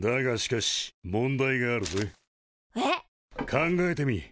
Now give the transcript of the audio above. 考えてみ。